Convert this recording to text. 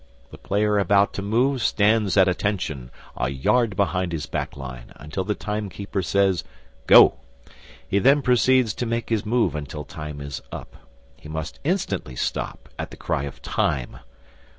The player about to move stands at attention a yard behind his back line until the timekeeper says "Go." He then proceeds to make his move until time is up. He must instantly stop at the cry of "Time."